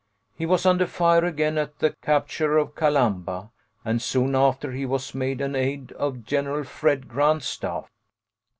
He was under fire again at the capture of Calamba, and soon after he was made an aide on Gen. Fred. Grant's staff.